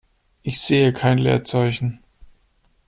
Ich sehe kein Leerzeichen.